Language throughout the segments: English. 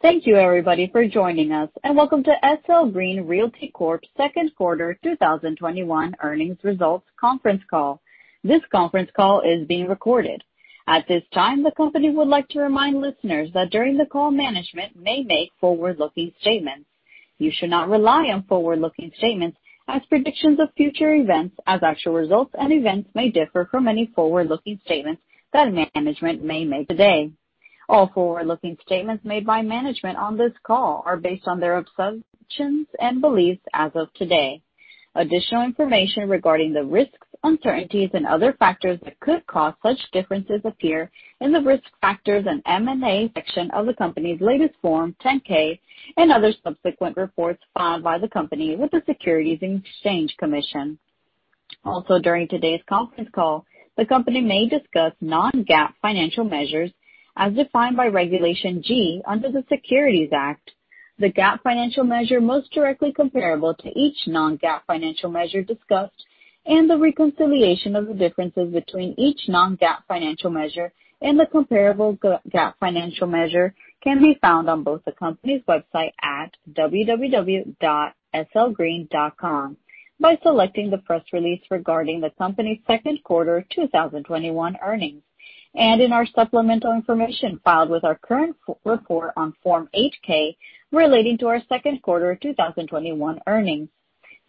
Thank you everybody for joining us, welcome to SL Green Realty Corp.'s Second Quarter 2021 Earnings Results Conference Call. This conference call is being recorded. At this time, the company would like to remind listeners that during the call, management may make forward-looking statements. You should not rely on forward-looking statements as predictions of future events, as actual results and events may differ from any forward-looking statements that management may make today. All forward-looking statements made by management on this call are based on their assumptions and beliefs as of today. Additional information regarding the risks, uncertainties, and other factors that could cause such differences appear in the Risk Factors & M&A section of the company's latest Form 10-K and other subsequent reports filed by the company with the Securities and Exchange Commission. Also, during today's conference call, the company may discuss non-GAAP financial measures as defined by Regulation G under the Securities Act. The GAAP financial measure most directly comparable to each non-GAAP financial measure discussed and the reconciliation of the differences between each non-GAAP financial measure and the comparable GAAP financial measure can be found on both the company's website at www.slgreen.com by selecting the press release regarding the company's second quarter 2021 earnings, and in our supplemental information filed with our current report on Form 8-K relating to our second quarter 2021 earnings.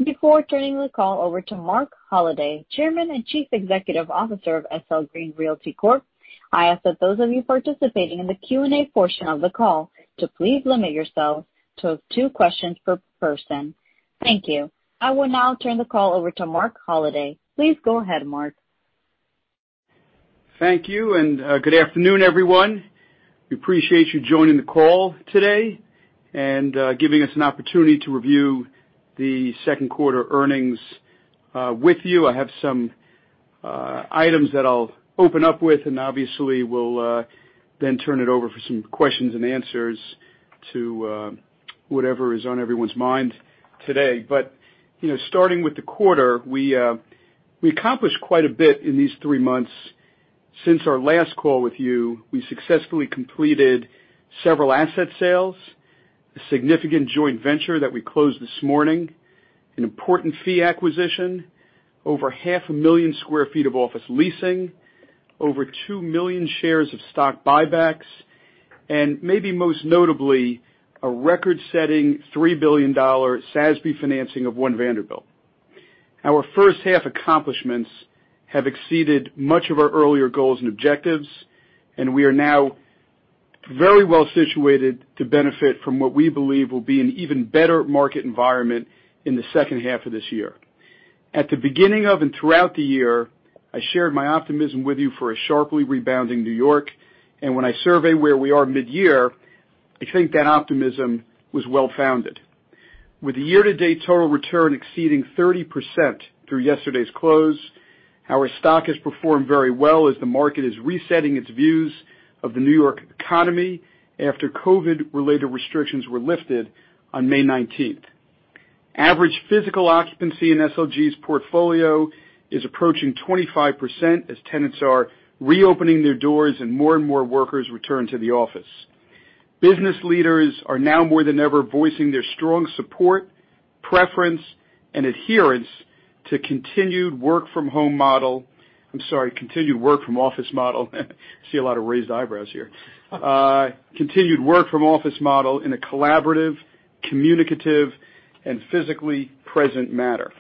Before turning the call over to Marc Holliday, Chairman and Chief Executive Officer of SL Green Realty Corp, I ask that those of you participating in the Q&A portion of the call to please limit yourselves to two questions per person. Thank you. I will now turn the call over to Marc Holliday. Please go ahead, Marc. Thank you. Good afternoon, everyone. We appreciate you joining the call today and giving us an opportunity to review the second quarter earnings with you. I have some items that I'll open up with. Obviously we'll then turn it over for some questions and answers to whatever is on everyone's mind today. Starting with the quarter, we accomplished quite a bit in these three months since our last call with you. We successfully completed several asset sales, a significant joint venture that we closed this morning, an important fee acquisition, over 500,000 sq ft of office leasing, over two million shares of stock buybacks, and maybe most notably, a record-setting $3 billion SASB financing of One Vanderbilt. Our first half accomplishments have exceeded much of our earlier goals and objectives, and we are now very well situated to benefit from what we believe will be an even better market environment in the second half of this year. At the beginning of and throughout the year, I shared my optimism with you for a sharply rebounding New York. When I survey where we are mid-year, I think that optimism was well-founded. With year-to-date total return exceeding 30% through yesterday's close, our stock has performed very well as the market is resetting its views of the New York economy after COVID-related restrictions were lifted on May 19th. Average physical occupancy in SLG's portfolio is approaching 25% as tenants are reopening their doors and more and more workers return to the office. Business leaders are now more than ever voicing their strong support, preference, and adherence to continued work from office model. I see a lot of raised eyebrows here. Continued work from office model in a collaborative, communicative, and physically present manner.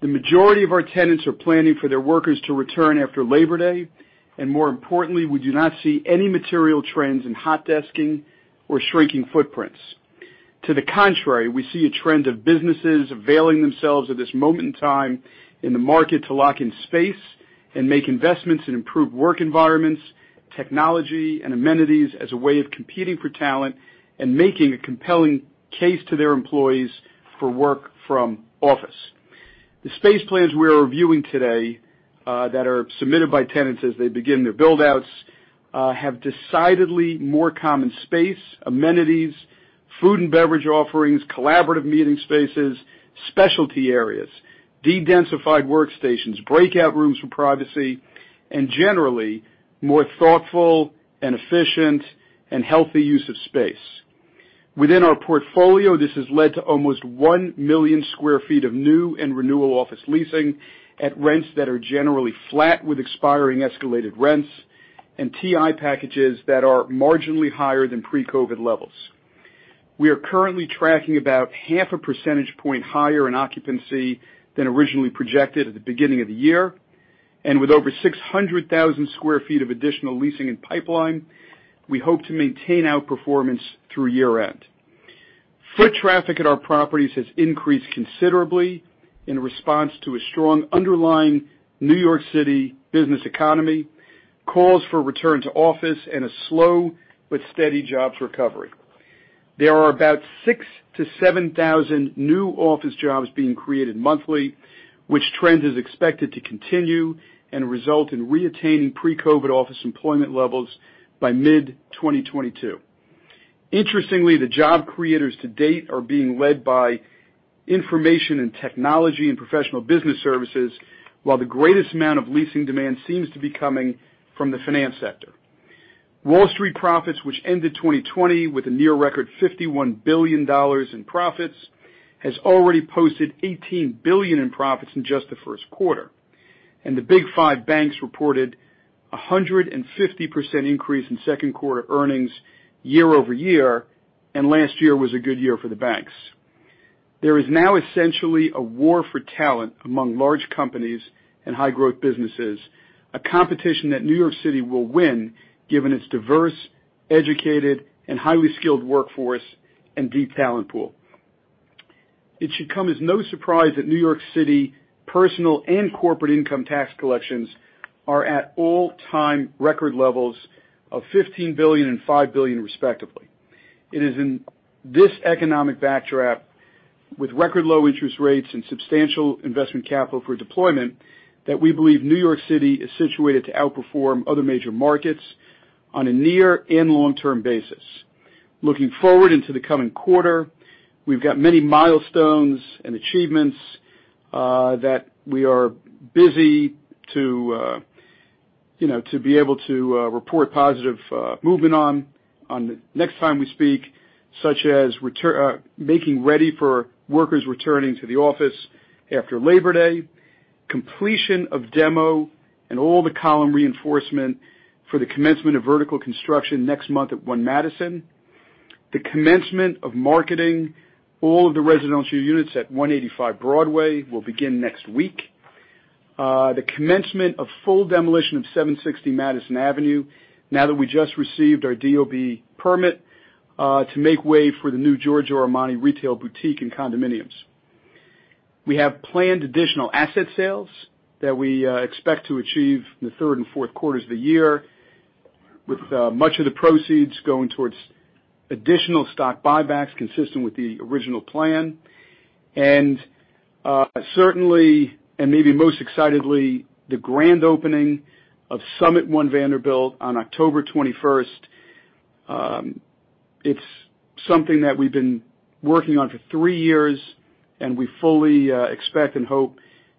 The majority of our tenants are planning for their workers to return after Labor Day. More importantly, we do not see any material trends in hot desking or shrinking footprints. To the contrary, we see a trend of businesses availing themselves at this moment in time in the market to lock in space and make investments in improved work environments, technology, and amenities as a way of competing for talent and making a compelling case to their employees for work from office. The space plans we're reviewing today that are submitted by tenants as they begin their build-outs have decidedly more common space, amenities, food and beverage offerings, collaborative meeting spaces, specialty areas, de-densified workstations, breakout rooms for privacy, and generally more thoughtful and efficient and healthy use of space. Within our portfolio, this has led to almost 1 million sq ft of new and renewal office leasing at rents that are generally flat with expiring escalated rents and TI packages that are marginally higher than pre-COVID levels. We are currently tracking about half a percentage point higher in occupancy than originally projected at the beginning of the year. With over 600,000 sq ft of additional leasing in pipeline, we hope to maintain outperformance through year-end. Foot traffic at our properties has increased considerably in response to a strong underlying New York City business economy, calls for return to office, and a slow but steady jobs recovery. There are about 6,000 to 7,000 new office jobs being created monthly, which trend is expected to continue and result in reattaining pre-COVID office employment levels by mid-2022. Interestingly, the job creators to date are being led by information and technology and professional business services, while the greatest amount of leasing demand seems to be coming from the finance sector. Wall Street profits, which ended 2020 with a near record $51 billion in profits, has already posted $18 billion in profits in just the first quarter. The Big Five banks reported 150% increase in second quarter earnings year-over-year, and last year was a good year for the banks. There is now essentially a war for talent among large companies and high-growth businesses, a competition that New York City will win given its diverse, educated, and highly skilled workforce and deep talent pool. It should come as no surprise that New York City personal and corporate income tax collections are at all-time record levels of $15 billion and $5 billion, respectively. It is in this economic backdrop with record low interest rates and substantial investment capital for deployment that we believe New York City is situated to outperform other major markets on a near and long-term basis. Looking forward into the coming quarter, we've got many milestones and achievements that we are busy to be able to report positive movement on the next time we speak, such as making ready for workers returning to the office after Labor Day, completion of demo and all the column reinforcement for the commencement of vertical construction next month at One Madison. The commencement of marketing all of the residential units at 185 Broadway will begin next week. The commencement of full demolition of 760 Madison Avenue, now that we just received our DOB permit, to make way for the new Giorgio Armani retail boutique and condominiums. We have planned additional asset sales that we expect to achieve in the third and fourth quarters of the year, with much of the proceeds going towards additional stock buybacks consistent with the original plan. Certainly, and maybe most excitedly, the grand opening of SUMMIT One Vanderbilt on October 21st. It's something that we've been working on for three years, and we fully expect and hope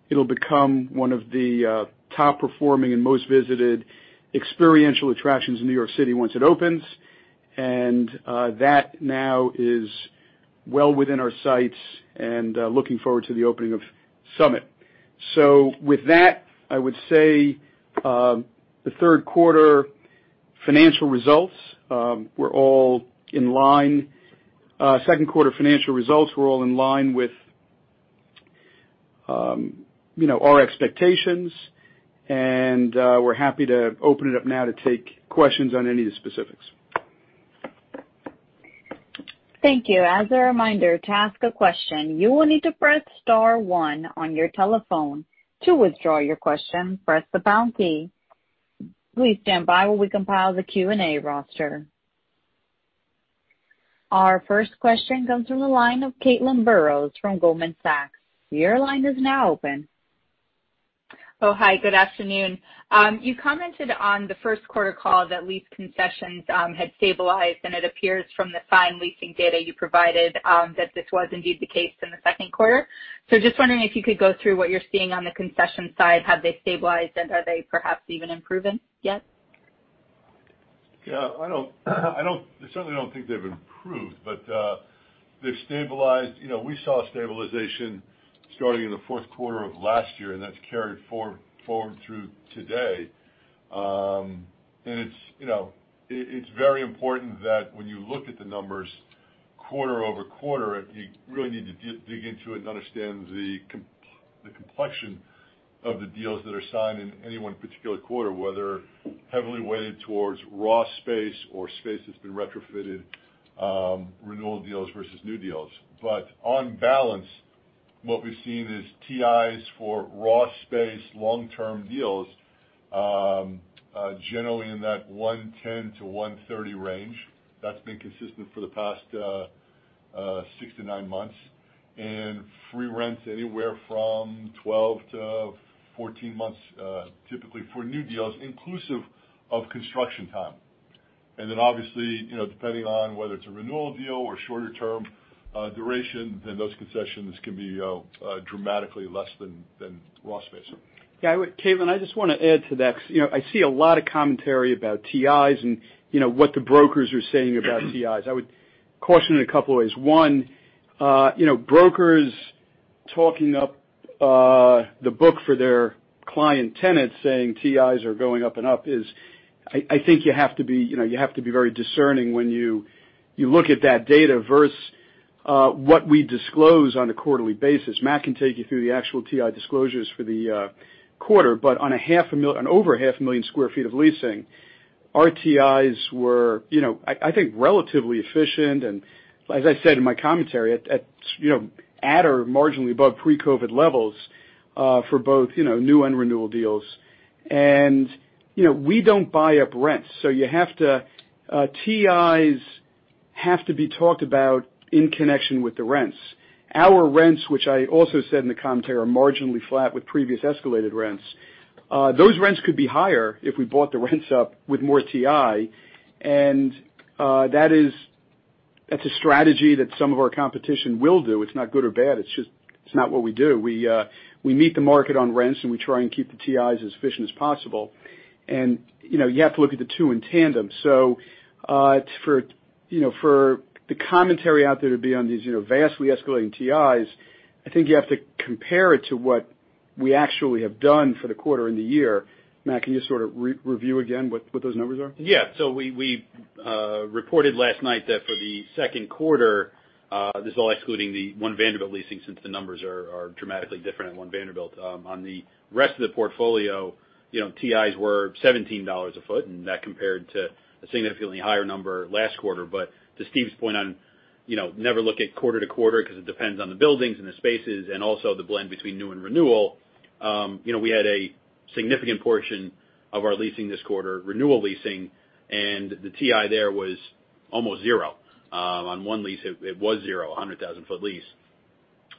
it'll become one of the top performing and most visited experiential attractions in New York City once it opens. That now is well within our sights, and looking forward to the opening of SUMMIT. With that, I would say the second quarter financial results were all in line with our expectations. We're happy to open it up now to take questions on any of the specifics. Thank you. As a reminder, to ask a question, you will need to press star one on your telephone. To withdraw your question, press the pound key. Please stand by while we compile the Q&A roster. Our first question comes from the line of Caitlin Burrows from Goldman Sachs. Your line is now open. Oh, hi, good afternoon. You commented on the first quarter call that lease concessions had stabilized. It appears from the signed leasing data you provided that this was indeed the case in the second quarter. Just wondering if you could go through what you're seeing on the concession side? Have they stabilized? Are they perhaps even improving yet? Yeah, I certainly don't think they've improved, but they've stabilized. We saw stabilization starting in the fourth quarter of last year, and that's carried forward through today. It's very important that when you look at the numbers quarter-over-quarter, you really need to dig into it and understand the complexion of the deals that are signed in any one particular quarter, whether heavily weighted towards raw space or space that's been retrofitted, renewal deals versus new deals. On balance, what we've seen is TIs for raw space long-term deals, are generally in that $110-$130 range. That's been consistent for the past six to nine months. Free rent anywhere from 12-14 months, typically for new deals, inclusive of construction time. Obviously, depending on whether it's a renewal deal or shorter term duration, then those concessions can be dramatically less than raw space. Yeah, Caitlin, I just want to add to that because I see a lot of commentary about TIs and what the brokers are saying about TIs. I would caution a couple ways. One, brokers talking up the book for their client tenants saying TIs are going up and up is I think you have to be very discerning when you look at that data versus what we disclose on a quarterly basis. Matt can take you through the actual TI disclosures for the quarter, but on over a 500,000 sq ft of leasing, our TIs were I think relatively efficient and, as I said in my commentary, at or marginally above pre-COVID levels, for both new and renewal deals. We don't buy up rents, so TIs have to be talked about in connection with the rents. Our rents, which I also said in the commentary, are marginally flat with previous escalated rents. Those rents could be higher if we bought the rents up with more TI, and that's a strategy that some of our competition will do. It's not good or bad. It's just not what we do. We meet the market on rents, and we try and keep the TIs as efficient as possible. You have to look at the two in tandem. For the commentary out there to be on these vastly escalating TIs, I think you have to compare it to what we actually have done for the quarter and the year. Matt, can you sort of review again what those numbers are? We reported last night that for the second quarter, this is all excluding the One Vanderbilt leasing since the numbers are dramatically different at One Vanderbilt. On the rest of the portfolio, TIs were $17 a foot, that compared to a significantly higher number last quarter. To Steve's point on never look at quarter-to-quarter, because it depends on the buildings and the spaces and also the blend between new and renewal. We had a significant portion of our leasing this quarter, renewal leasing, the TI there was almost zero. On one lease, it was zero, 100,000-foot lease.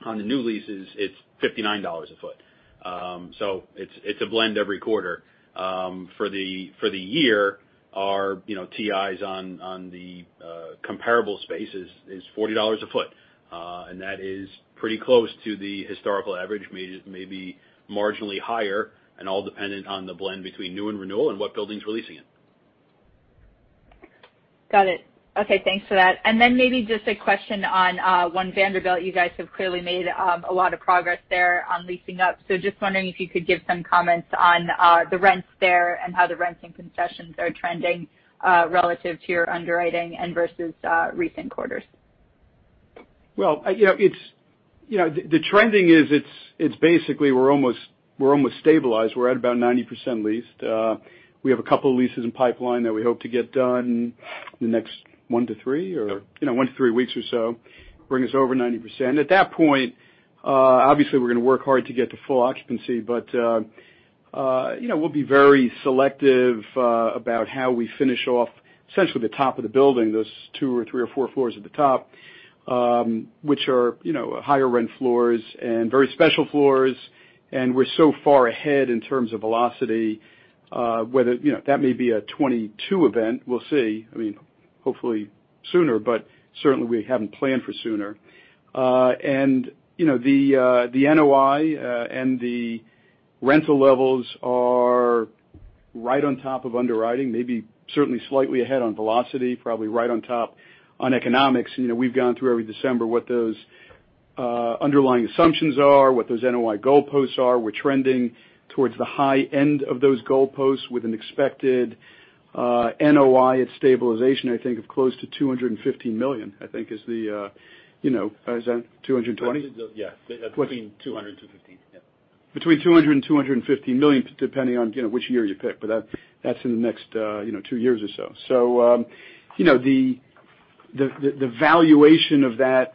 On the new leases, it's $59 a foot. It's a blend every quarter. For the year, our TIs on the comparable space is $40 a foot. That is pretty close to the historical average, maybe marginally higher, and all dependent on the blend between new and renewal and what buildings we're leasing in. Got it. Okay, thanks for that. Maybe just a question on One Vanderbilt. You guys have clearly made a lot of progress there on leasing up. Just wondering if you could give some comments on the rents there and how the rents and concessions are trending relative to your underwriting and versus recent quarters. Well, the trending is it's basically we're almost stabilized. We're at about 90% leased. We have a couple of leases in pipeline that we hope to get done in the next one to three weeks or so, bring us over 90%. At that point, obviously, we're going to work hard to get to full occupancy, but we'll be very selective about how we finish off essentially the top of the building, those two or three or four floors at the top, which are higher rent floors and very special floors. We're so far ahead in terms of velocity. That may be a 2022 event, we'll see. Hopefully sooner. Certainly we haven't planned for sooner. The NOI and the rental levels are right on top of underwriting, maybe certainly slightly ahead on velocity, probably right on top on economics. We've gone through every December what those underlying assumptions are, what those NOI goalposts are. We're trending towards the high end of those goalposts with an expected NOI at stabilization, I think, of close to $215 million. Is that $220? Yeah. Between 200-15, yeah. Between $200 million and $215 million, depending on which year you pick. That's in the next two years or so. The valuation of that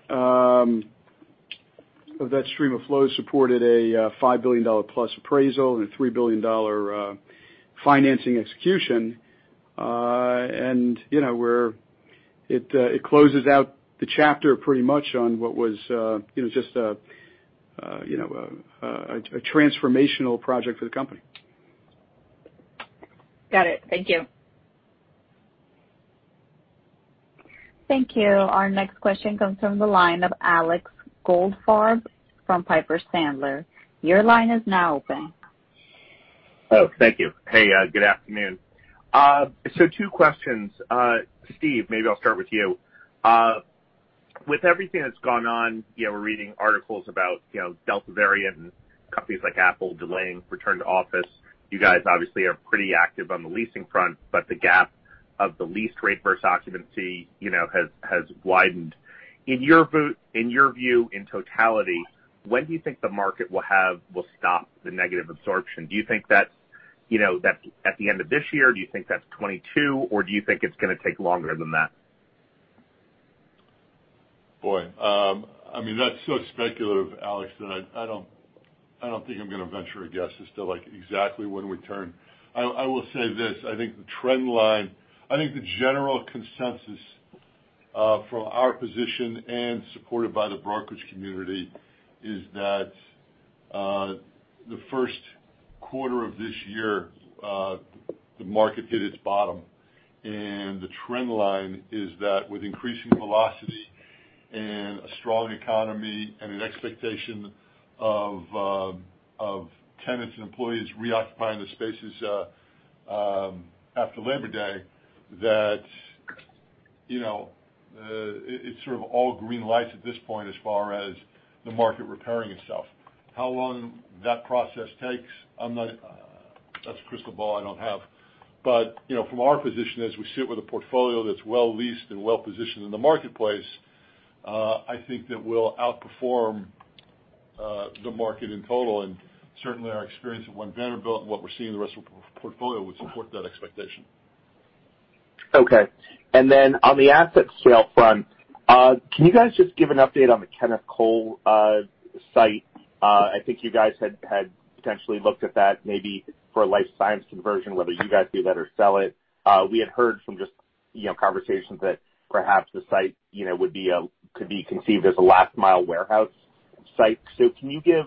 stream of flow supported a $5 billion+ appraisal and a $3 billion financing execution. It closes out the chapter pretty much on what was just a transformational project for the company. Got it. Thank you. Thank you. Our next question comes from the line of Alex Goldfarb from Piper Sandler. Oh, thank you. Hey, good afternoon. Two questions. Steve, maybe I'll start with you. With everything that's gone on, we're reading articles about Delta variant and companies like Apple delaying return to office. You guys obviously are pretty active on the leasing front, but the gap of the leased rate versus occupancy has widened. In your view, in totality, when do you think the market will stop the negative absorption? Do you think that's at the end of this year? Do you think that's 2022? Do you think it's going to take longer than that? Boy, that's so speculative, Alex, that I don't think I'm going to venture a guess as to exactly when we turn. I will say this, I think the general consensus from our position and supported by the brokerage community is that the first quarter of this year, the market hit its bottom. The trend line is that with increasing velocity and a strong economy and an expectation of tenants and employees reoccupying the spaces after Labor Day, that it's sort of all green lights at this point as far as the market repairing itself. How long that process takes, that's a crystal ball I don't have. From our position as we sit with a portfolio that's well leased and well-positioned in the marketplace, I think that we'll outperform the market in total, and certainly our experience at One Vanderbilt and what we're seeing in the rest of the portfolio would support that expectation. Okay. Then on the asset sale front, can you guys just give an update on the Kenneth Cole site? I think you guys had potentially looked at that maybe for a life science conversion, whether you guys do that or sell it. We had heard from conversations that perhaps the site could be conceived as a last-mile warehouse site. Can you give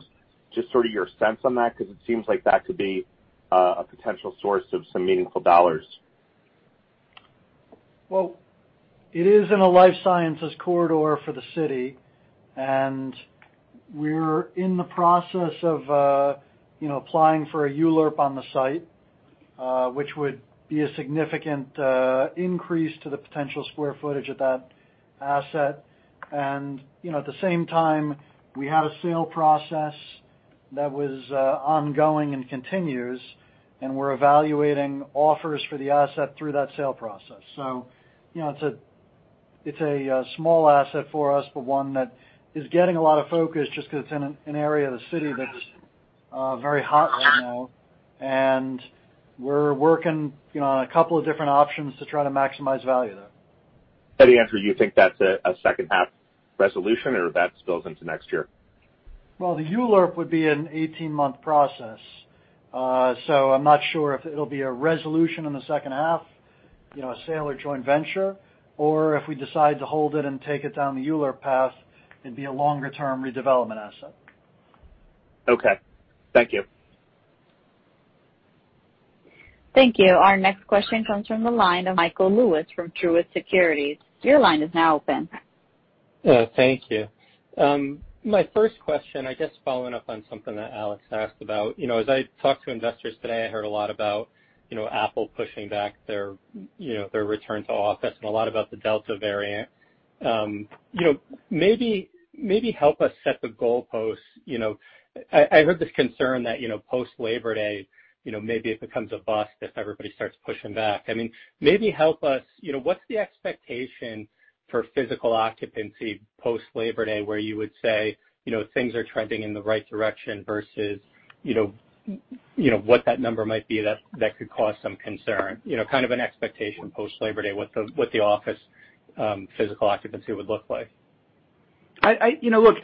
just sort of your sense on that? Because it seems like that could be a potential source of some meaningful dollars. Well, it is in a life sciences corridor for the city, and we're in the process of applying for a ULURP on the site, which would be a significant increase to the potential square footage of that asset. At the same time, we had a sale process that was ongoing and continues, and we're evaluating offers for the asset through that sale process. It's a small asset for us, but 1 that is getting a lot of focus just because it's in an area of the city that's very hot right now. We're working on a couple of different options to try to maximize value there. Any answer you think that's a second half resolution, or that spills into next year? Well, the ULURP would be an 18-month process. I'm not sure if it'll be a resolution in the second half, a sale or joint venture, or if we decide to hold it and take it down the ULURP path, it'd be a longer-term redevelopment asset. Okay. Thank you. Thank you. Our next question comes from the line of Michael Lewis from Truist Securities. Your line is now open. Thank you. My first question, I guess following up on something that Alex asked about. As I talked to investors today, I heard a lot about Apple pushing back their return to office, and a lot about the Delta variant. Maybe help us set the goalposts. I heard this concern that post-Labor Day, maybe it becomes a bust if everybody starts pushing back. Maybe help us, what's the expectation for physical occupancy post-Labor Day, where you would say things are trending in the right direction versus what that number might be that could cause some concern? Kind of an expectation post-Labor Day, what the office physical occupancy would look like. Look,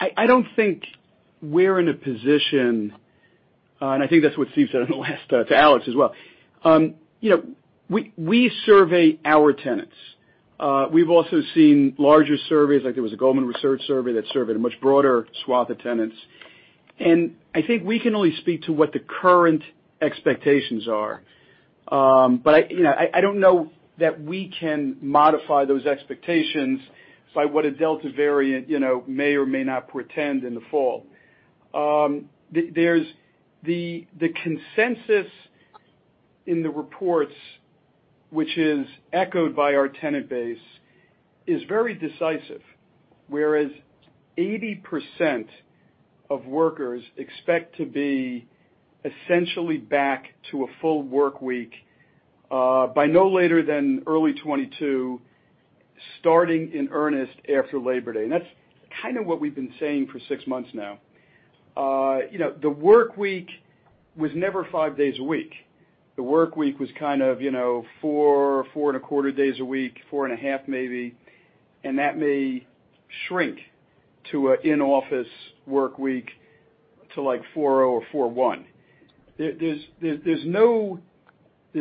I don't think we're in a position, I think that's what Steve said to Alex as well. We survey our tenants. We've also seen larger surveys, like there was a Goldman research survey that surveyed a much broader swath of tenants. I think we can only speak to what the current expectations are. I don't know that we can modify those expectations by what a Delta variant may or may not portend in the fall. The consensus in the reports, which is echoed by our tenant base, is very decisive. Whereas 80% of workers expect to be essentially back to a full work week by no later than early 2022, starting in earnest after Labor Day. That's kind of what we've been saying for six months now. The work week was never five days a week. The work week was kind of four and a quarter days a week, four and a half maybe. That may shrink to an in-office work week to like 4.0 or 4.1. There's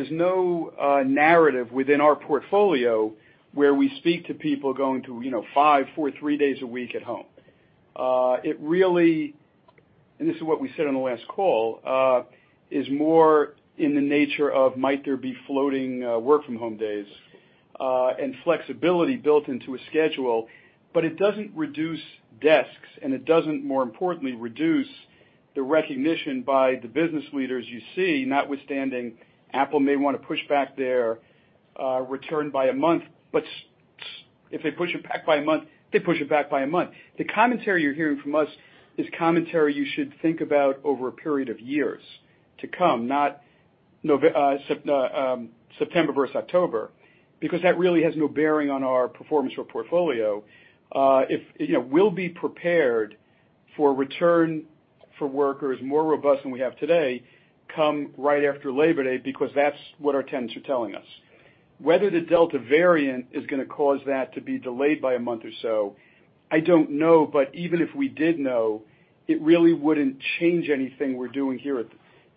no narrative within our portfolio where we speak to people going to five, four, three days a week at home. It really, and this is what we said on the last call, is more in the nature of might there be floating work from home days, and flexibility built into a schedule. It doesn't reduce desks, and it doesn't, more importantly, reduce the recognition by the business leaders you see, notwithstanding Apple may want to push back their return by a month. If they push it back by a month, they push it back by a month. The commentary you're hearing from us is commentary you should think about over a period of years to come, not September versus October, because that really has no bearing on our performance or portfolio. We'll be prepared for return for workers more robust than we have today come right after Labor Day, because that's what our tenants are telling us. Whether the Delta variant is going to cause that to be delayed by a month or so, I don't know. Even if we did know, it really wouldn't change anything we're doing here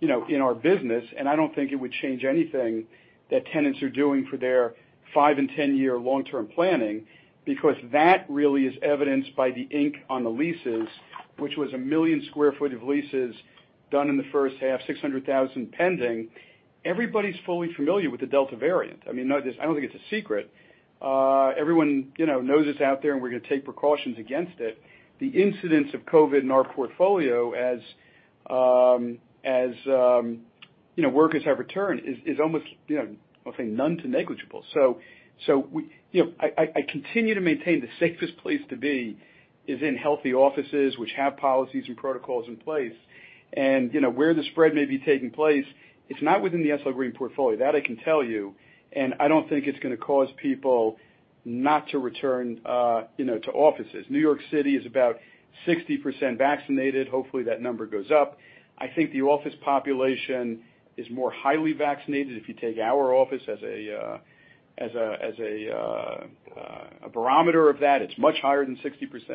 in our business, and I don't think it would change anything that tenants are doing for their five- and 10-year long-term planning, because that really is evidenced by the ink on the leases, which was 1 million square foot of leases done in the first half, 600,000 pending. Everybody's fully familiar with the Delta variant. I don't think it's a secret. Everyone knows it's out there, and we're going to take precautions against it. The incidence of COVID in our portfolio as workers have returned is almost, I'll say, none to negligible. I continue to maintain the safest place to be is in healthy offices which have policies and protocols in place. Where the spread may be taking place, it's not within the SL Green portfolio. That I can tell you. I don't think it's going to cause people not to return to offices. New York City is about 60% vaccinated. Hopefully, that number goes up. I think the office population is more highly vaccinated. If you take our office as a barometer of that, it's much higher than 60%.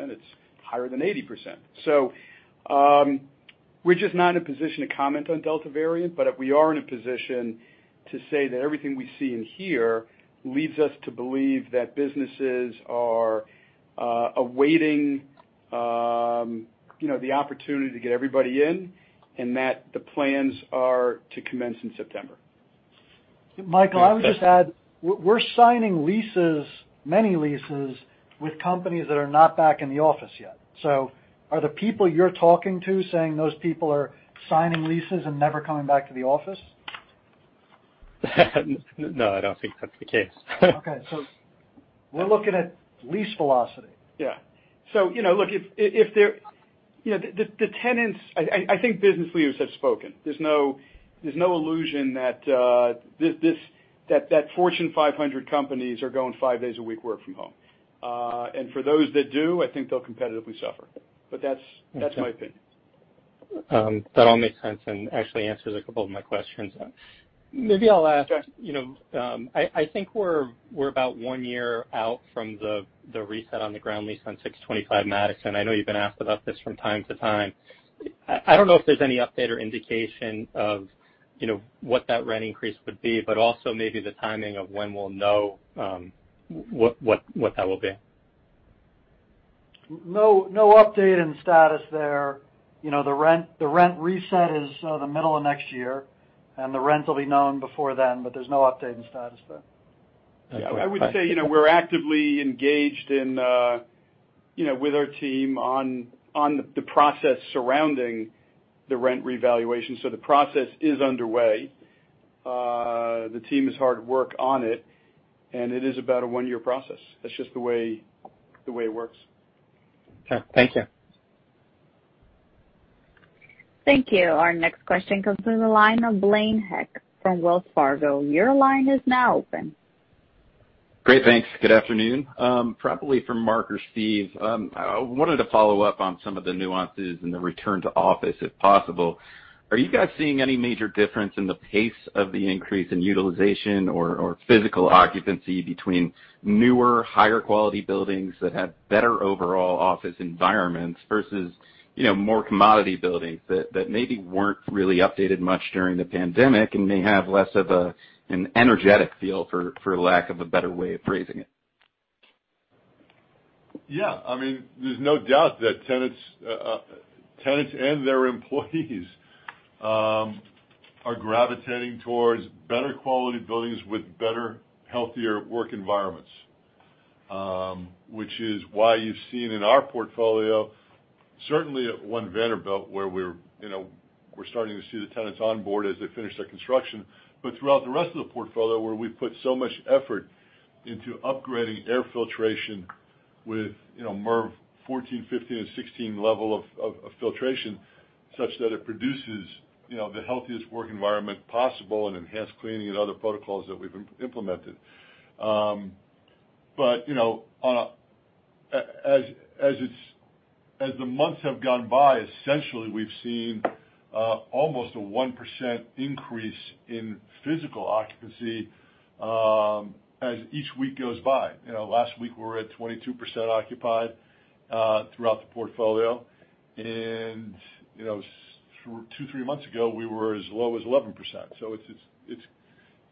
It's higher than 80%. We're just not in a position to comment on Delta variant, but we are in a position to say that everything we see and hear leads us to believe that businesses are awaiting the opportunity to get everybody in, and that the plans are to commence in September. Michael, I would just add, we're signing leases, many leases, with companies that are not back in the office yet. Are the people you're talking to saying those people are signing leases and never coming back to the office? No, I don't think that's the case. Okay. We're looking at lease velocity. Yeah. Look, I think business leaders have spoken. There's no illusion that Fortune 500 companies are going five days a week work from home. For those that do, I think they'll competitively suffer. That's my opinion. That all makes sense and actually answers a couple of my questions. Maybe I'll ask, I think we're about one year out from the reset on the ground lease on 625 Madison. I know you've been asked about this from time to time. I don't know if there's any update or indication of what that rent increase would be, but also maybe the timing of when we'll know what that will be. No update in status there. The rent reset is the middle of next year, and the rent will be known before then, but there's no update in status there. Okay. I would say, we're actively engaged with our team on the process surrounding the rent revaluation. The process is underway. The team is hard at work on it, It is about a one-year process. That's just the way it works. Okay. Thank you. Thank you. Our next question comes from the line of Blaine Heck from Wells Fargo. Your line is now open. Great. Thanks. Good afternoon. Probably for Marc or Steve, I wanted to follow up on some of the nuances in the return to office, if possible. Are you guys seeing any major difference in the pace of the increase in utilization or physical occupancy between newer, higher quality buildings that have better overall office environments versus more commodity buildings that maybe weren't really updated much during the pandemic and may have less of an energetic feel, for lack of a better way of phrasing it? Yeah. There's no doubt that tenants and their employees are gravitating towards better quality buildings with better, healthier work environments. Which is why you've seen in our portfolio, certainly at One Vanderbilt, where we're starting to see the tenants onboard as they finish their construction, but throughout the rest of the portfolio where we've put so much effort into upgrading air filtration with MERV 14, 15, and 16 level of filtration, such that it produces the healthiest work environment possible and enhanced cleaning and other protocols that we've implemented. As the months have gone by, essentially, we've seen almost a 1% increase in physical occupancy as each week goes by. Last week, we were at 22% occupied throughout the portfolio. Two, three months ago, we were as low as 11%.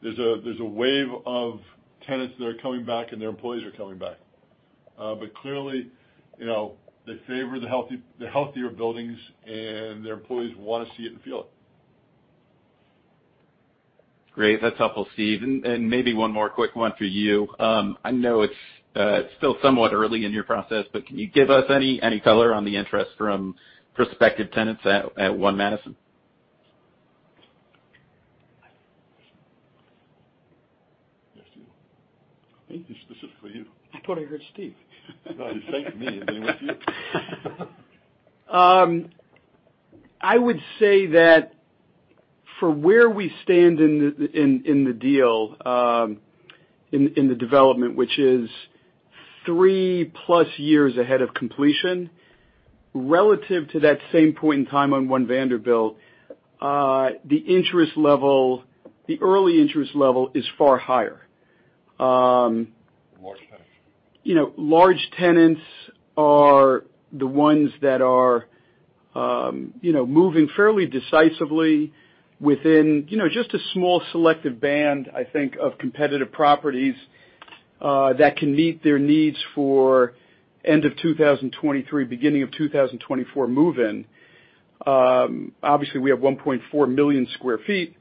There's a wave of tenants that are coming back, and their employees are coming back. Clearly they favor the healthier buildings, and their employees want to see it and feel it. Great. That's helpful, Steve. Maybe one more quick one for you. I know it's still somewhat early in your process, can you give us any color on the interest from prospective tenants at One Madison? I think this is for you. I thought I heard Steve. No, he's saying it to me, and then it's you. I would say that for where we stand in the deal, in the development, which is 3+ years ahead of completion, relative to that same point in time on One Vanderbilt, the early interest level is far higher. Large tenants. Large tenants are the ones that are moving fairly decisively within just a small selective band, I think, of competitive properties that can meet their needs for end of 2023, beginning of 2024 move in. We have 1.4 million sq ft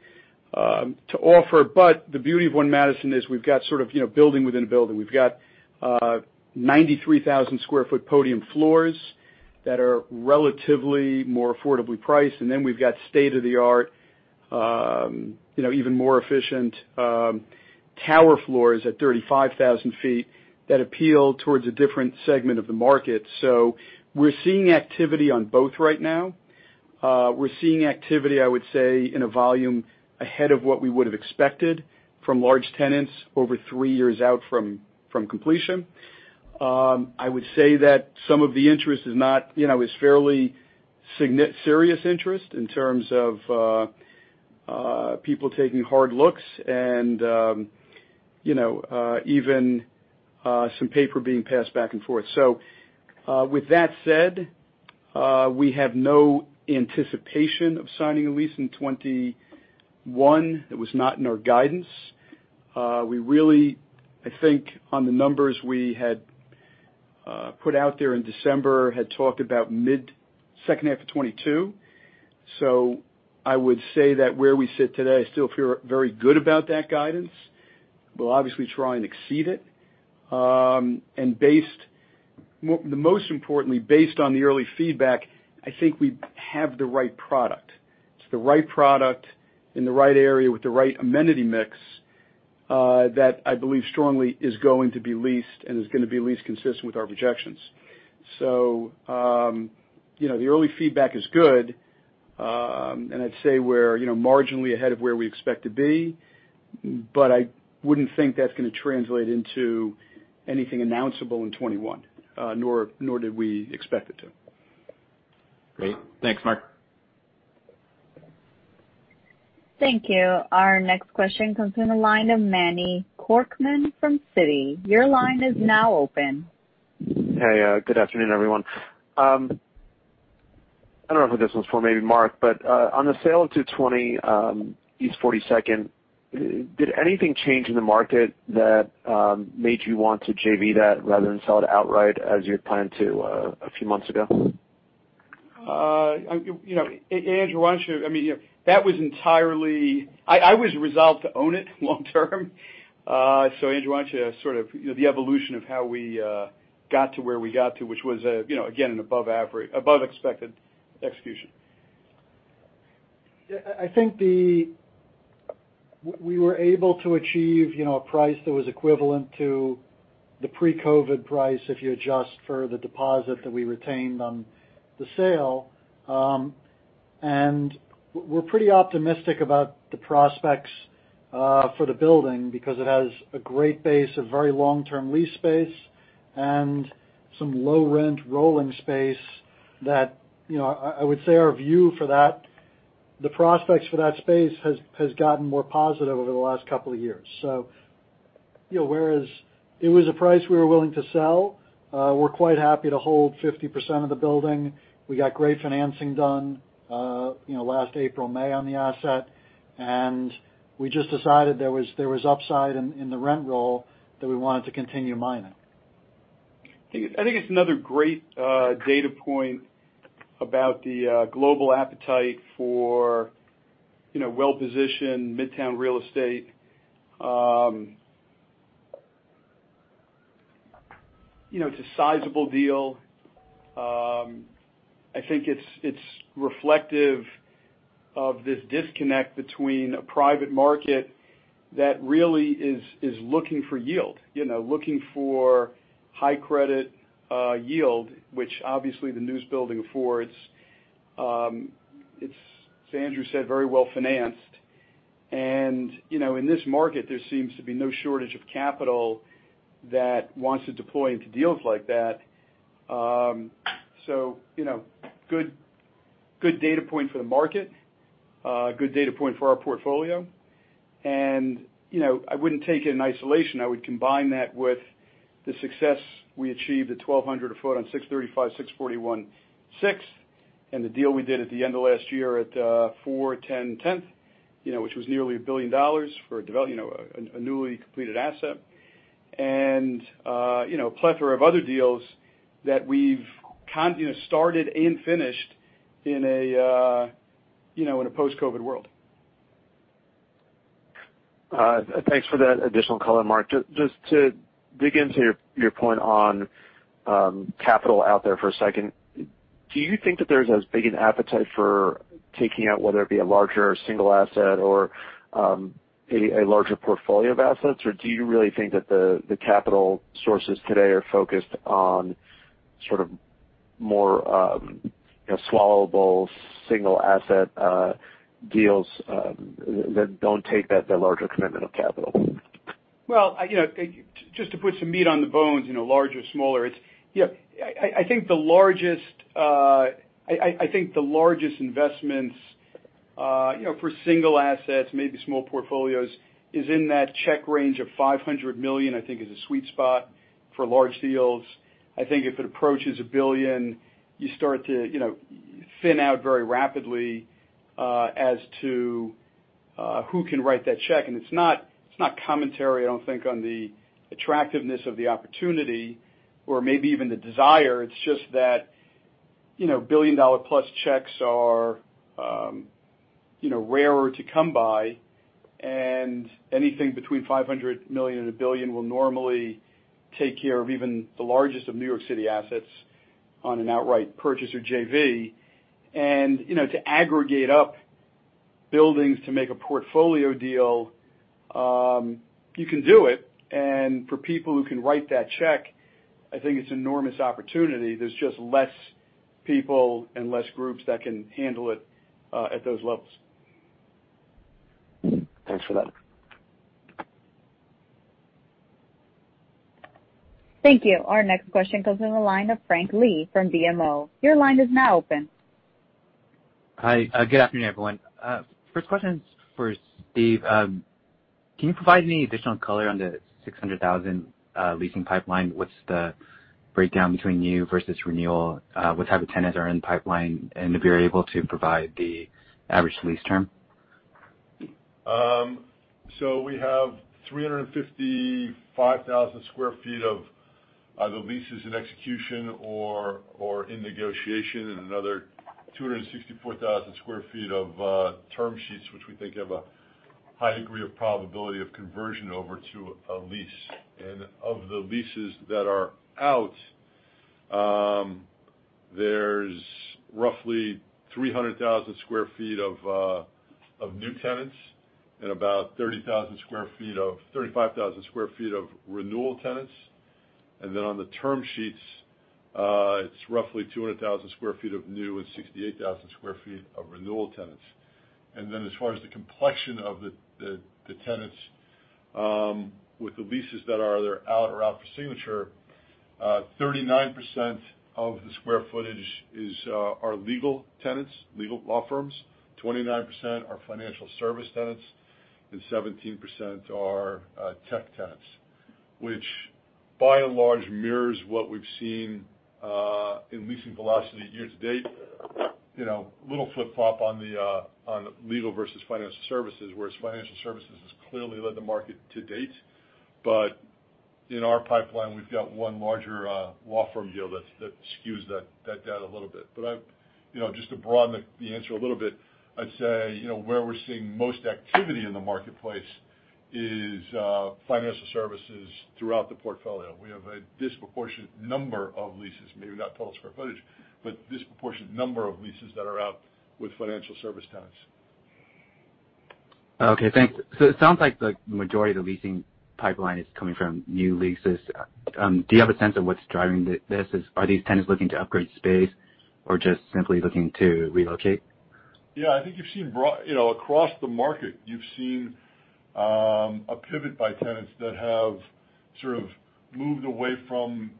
to offer, but the beauty of One Madison is we've got sort of building within a building. We've got 93,000 sq ft podium floors that are relatively more affordably priced. We've got state-of-the-art, even more efficient tower floors at 35,000 sq ft that appeal towards a different segment of the market. We're seeing activity on both right now. We're seeing activity, I would say, in a volume ahead of what we would've expected from large tenants over three years out from completion. I would say that some of the interest is fairly serious interest in terms of people taking hard looks and even some paper being passed back and forth. With that said, we have no anticipation of signing a lease in 2021. It was not in our guidance. We really, I think on the numbers we had put out there in December, had talked about mid-second half of 2022. I would say that where we sit today, I still feel very good about that guidance. We'll obviously try and exceed it. Most importantly, based on the early feedback, I think we have the right product. It's the right product in the right area with the right amenity mix, that I believe strongly is going to be leased and is going to be leased consistent with our projections. The early feedback is good, and I'd say we're marginally ahead of where we expect to be, but I wouldn't think that's going to translate into anything announceable in 2021, nor did we expect it to. Great. Thanks, Marc. Thank you. Our next question comes from the line of Manny Korchman from Citi. Hey, good afternoon, everyone. I don't know who this one's for, maybe Marc, but, on the sale of 220 East 42nd, did anything change in the market that made you want to JV that rather than sell it outright as you had planned to a few months ago? I was resolved to own it long term. Andrew, why don't you sort of, the evolution of how we got to where we got to, which was, again, an above expected execution? I think we were able to achieve a price that was equivalent to the pre-COVID price if you adjust for the deposit that we retained on the sale. We're pretty optimistic about the prospects for the building because it has a great base of very long-term lease space and some low rent rolling space that, I would say our view for that, the prospects for that space has gotten more positive over the last couple of years. Whereas it was a price we were willing to sell, we're quite happy to hold 50% of the building. We got great financing done last April, May on the asset, and we just decided there was upside in the rent roll that we wanted to continue mining. I think it's another great data point about the global appetite for well-positioned Midtown real estate. It's a sizable deal. I think it's reflective of this disconnect between a private market that really is looking for yield, looking for high credit yield, which obviously the news building affords. As Andrew said, very well financed. In this market, there seems to be no shortage of capital that wants to deploy into deals like that. Good data point for the market. A good data point for our portfolio. I wouldn't take it in isolation. I would combine that with the success we achieved at 1200 a foot on 635, 641 6th, and the deal we did at the end of last year at 410 10th, which was nearly $1 billion for a newly completed asset. A plethora of other deals that we've started and finished in a post-COVID world. Thanks for that additional color, Marc. Just to dig into your point on capital out there for a second, do you think that there's as big an appetite for taking out, whether it be a larger single asset or a larger portfolio of assets, or do you really think that the capital sources today are focused on sort of more swallowable single asset deals that don't take that larger commitment of capital? Well, just to put some meat on the bones, large or smaller. I think the largest investments for single assets, maybe small portfolios, is in that check range of $500 million, I think, is a sweet spot for large deals. I think if it approaches $1 billion, you start to thin out very rapidly as to who can write that check. It's not commentary, I don't think, on the attractiveness of the opportunity or maybe even the desire. It's just that $1 billion+ checks are rarer to come by, and anything between $500 million and $1 billion will normally take care of even the largest of New York City assets on an outright purchase or JV. To aggregate up buildings to make a portfolio deal, you can do it, and for people who can write that check, I think it's enormous opportunity. There's just less people and less groups that can handle it at those levels. Thanks for that. Thank you. Our next question comes from the line of Frank Lee from BMO. Your line is now open. Hi. Good afternoon, everyone. First question's for Steve. Can you provide any additional color on the 600,000 leasing pipeline? What's the breakdown between new versus renewal? What type of tenants are in pipeline, and if you're able to provide the average lease term? We have 355,000 sq ft of either leases in execution or in negotiation, and another 264,000 sq ft of term sheets, which we think have a high degree of probability of conversion over to a lease. Of the leases that are out, there's roughly 300,000 sq ft of new tenants and about 35,000 sq ft of renewal tenants. On the term sheets, it's roughly 200,000 sq ft of new and 68,000 sq ft of renewal tenants. As far as the complexion of the tenants with the leases that are either out or out for signature, 39% of the square footage are legal tenants, legal law firms, 29% are financial service tenants, and 17% are tech tenants, which by and large mirrors what we've seen in leasing velocity year to date. A little flip-flop on legal versus financial services, whereas financial services has clearly led the market to date. In our pipeline, we've got one larger law firm deal that skews that data a little bit. Just to broaden the answer a little bit, I'd say, where we're seeing most activity in the marketplace is financial services throughout the portfolio. We have a disproportionate number of leases, maybe not total square footage, but disproportionate number of leases that are out with financial service tenants. Okay, thanks. It sounds like the majority of the leasing pipeline is coming from new leases. Do you have a sense of what's driving this? Are these tenants looking to upgrade space or just simply looking to relocate? Yeah, I think across the market, you've seen a pivot by tenants that have sort of moved away from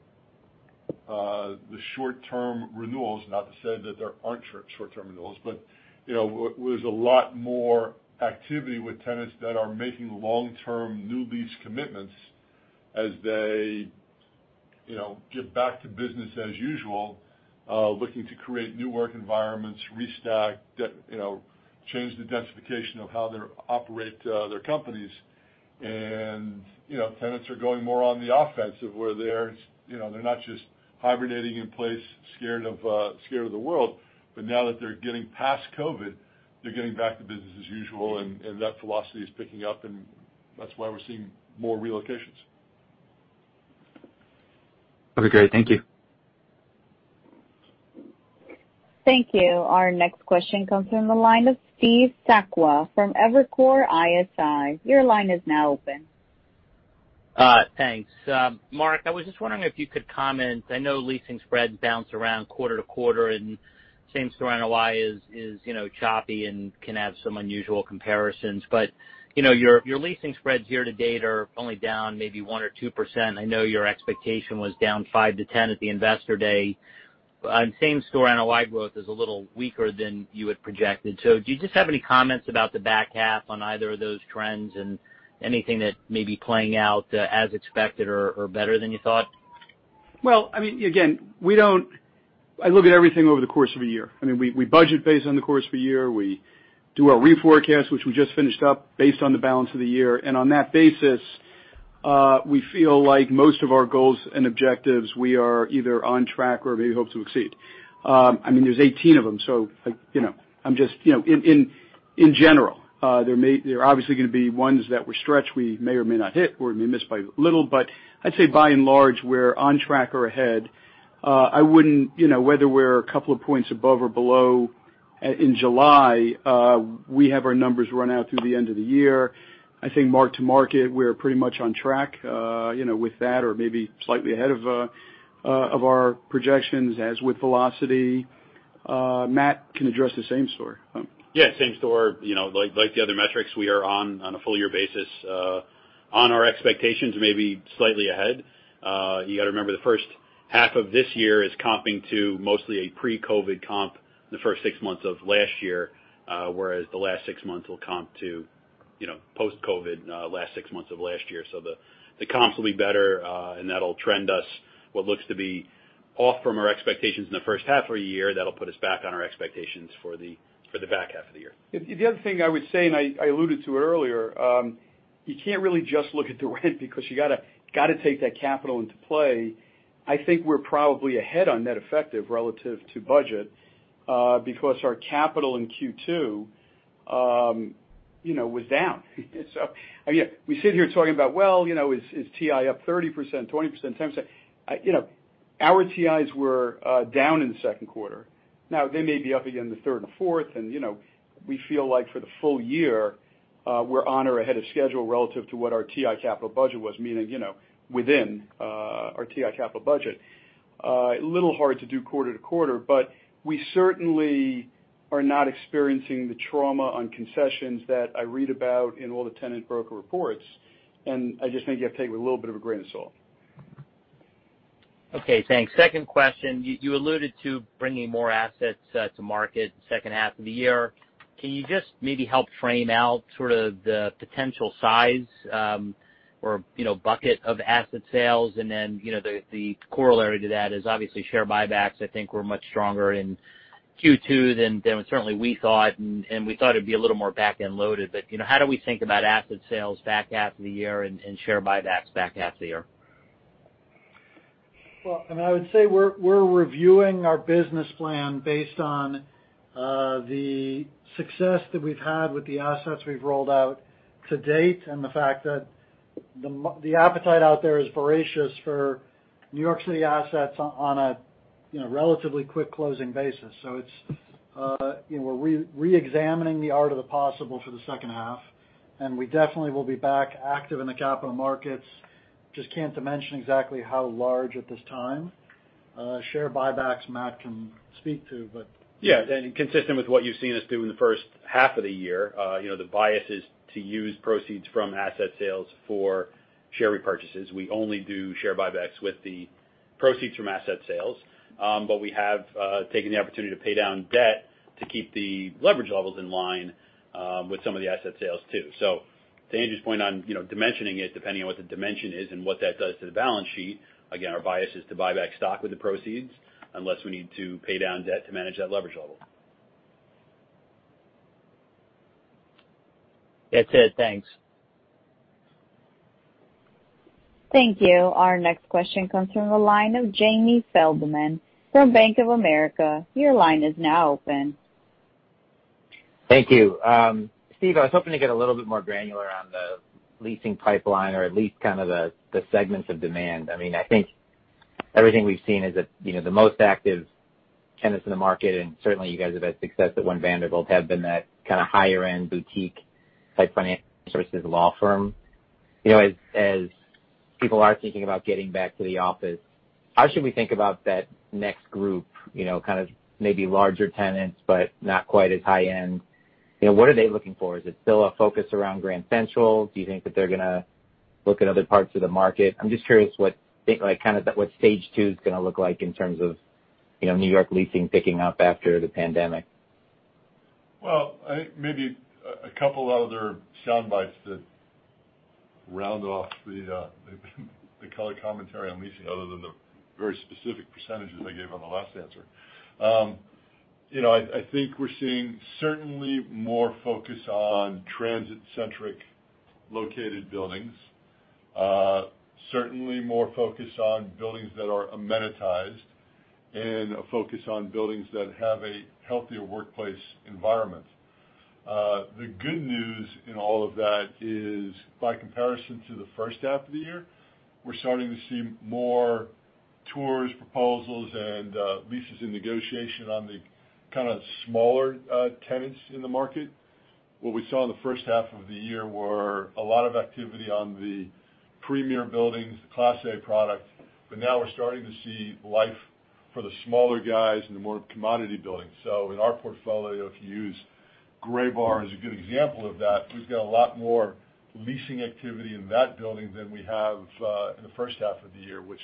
the short-term renewals. Not to say that there aren't short-term renewals, but there's a lot more activity with tenants that are making long-term new lease commitments as they get back to business as usual, looking to create new work environments, restack, change the densification of how they operate their companies. Tenants are going more on the offensive, where they're not just hibernating in place, scared of the world. Now that they're getting past COVID, they're getting back to business as usual, and that velocity is picking up, and that's why we're seeing more relocations. Okay, great. Thank you. Thank you. Our next question comes from the line of Steve Sakwa from Evercore ISI. Thanks. Mark, I was just wondering if you could comment. I know leasing spreads bounce around quarter to quarter, and same-store NOI is choppy and can have some unusual comparisons. Your leasing spreads year to date are only down maybe 1% or 2%. I know your expectation was down 5%-10% at the investor day. Same-store NOI growth is a little weaker than you had projected. Do you just have any comments about the back half on either of those trends and anything that may be playing out as expected or better than you thought? Well, again, I look at everything over the course of a year. We budget based on the course of a year. We do our reforecast, which we just finished up, based on the balance of the year. On that basis, we feel like most of our goals and objectives, we are either on track or maybe hope to exceed. There's 18 of them. In general, there are obviously going to be ones that were stretched we may or may not hit or may miss by little, but I'd say by and large, we're on track or ahead. Whether we're a couple of points above or below in July, we have our numbers run out through the end of the year. I think mark-to-market, we're pretty much on track with that or maybe slightly ahead of our projections as with velocity. Matt can address the same story. Yeah, same story. Like the other metrics, we are on a full-year basis on our expectations, maybe slightly ahead. You got to remember, the first half of this year is comping to mostly a pre-COVID comp the first six months of last year, whereas the last six months will comp to post-COVID last six months of last year. The comps will be better, and that'll trend us what looks to be off from our expectations in the first half of the year. That'll put us back on our expectations for the back half of the year. The other thing I would say, and I alluded to it earlier, you can't really just look at the rent because you got to take that capital into play. I think we're probably ahead on net effective relative to budget because our capital in Q2 was down. We sit here talking about, well, is TI up 30%, 20%, 10%? Our TIs were down in the second quarter. They may be up again the third and fourth, and we feel like for the full year, we're on or ahead of schedule relative to what our TI capital budget was, meaning within our TI capital budget. A little hard to do quarter to quarter, but we certainly are not experiencing the trauma on concessions that I read about in all the tenant broker reports, and I just think you have to take it with a little bit of a grain of salt. Okay, thanks. Second question. You alluded to bringing more assets to market second half of the year. Can you just maybe help frame out sort of the potential size or bucket of asset sales? The corollary to that is obviously share buybacks, I think, were much stronger in Q2 than certainly we thought, and we thought it'd be a little more back-end loaded. How do we think about asset sales back half of the year and share buybacks back half of the year? Well, I would say we're reviewing our business plan based on the success that we've had with the assets we've rolled out to date and the fact that the appetite out there is voracious for New York City assets on a relatively quick closing basis. We're re-examining the art of the possible for the second half, and we definitely will be back active in the capital markets. Just can't dimension exactly how large at this time. Share buybacks, Matt can speak to. Yeah. Consistent with what you've seen us do in the first half of the year, the bias is to use proceeds from asset sales for share repurchases. We only do share buybacks with the proceeds from asset sales. We have taken the opportunity to pay down debt to keep the leverage levels in line with some of the asset sales, too. To Andrew's point on dimensioning it, depending on what the dimension is and what that does to the balance sheet, again, our bias is to buy back stock with the proceeds, unless we need to pay down debt to manage that leverage level. That's it. Thanks. Thank you. Our next question comes from the line of Jamie Feldman from Bank of America. Your line is now open. Thank you. Steve, I was hoping to get a little bit more granular on the leasing pipeline or at least kind of the segments of demand. I think everything we've seen is that the most active tenants in the market, certainly you guys have had success at One Vanderbilt, have been that kind of higher-end boutique type financial services law firm. As people are thinking about getting back to the office, how should we think about that next group, kind of maybe larger tenants, but not quite as high-end? What are they looking for? Is it still a focus around Grand Central? Do you think that they're going to look at other parts of the market? I'm just curious what stage two is going to look like in terms of New York leasing picking up after the pandemic. Well, I think maybe a couple other sound bites that round off the colored commentary on leasing, other than the very specific percentages I gave on the last answer. I think we're seeing certainly more focus on transit-centric located buildings, certainly more focus on buildings that are amenitized, and a focus on buildings that have a healthier workplace environment. The good news in all of that is, by comparison to the first half of the year, we're starting to see more tours, proposals, and leases in negotiation on the kind of smaller tenants in the market. What we saw in the first half of the year were a lot of activity on the premier buildings, the class A product. Now we're starting to see life for the smaller guys in the more commodity buildings. in our portfolio, if you use Graybar as a good example of that, we've got a lot more leasing activity in that building than we have in the first half of the year, which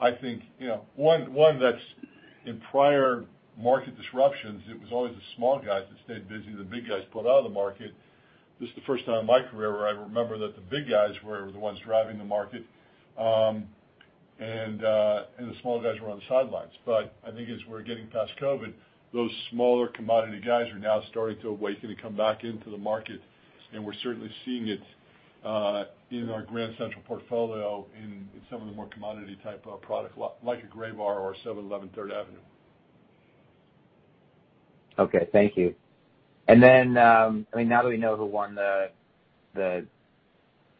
I think in prior market disruptions, it was always the small guys that stayed busy, the big guys pulled out of the market. This is the first time in my career where I remember that the big guys were the ones driving the market, and the smaller guys were on the sidelines. I think as we're getting past COVID, those smaller commodity guys are now starting to awaken and come back into the market, and we're certainly seeing it in our Grand Central portfolio in some of the more commodity type of product, like a Graybar or 711 3rd Avenue. Okay. Thank you. Now that we know who won the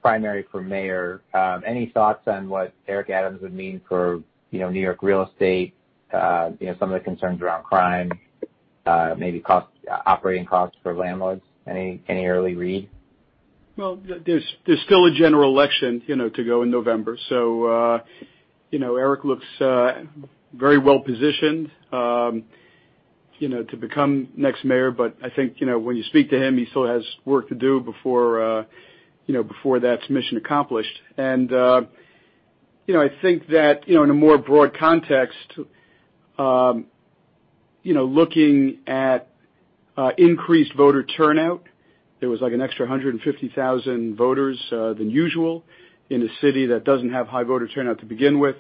primary for mayor, any thoughts on what Eric Adams would mean for New York real estate? Some of the concerns around crime, maybe operating costs for landlords. Any early read? Well, there's still a general election to go in November. Eric looks very well positioned to become next mayor. I think, when you speak to him, he still has work to do before that's mission accomplished. I think that in a more broad context, looking at increased voter turnout, there was like an extra 150,000 voters than usual in a city that doesn't have high voter turnout to begin with,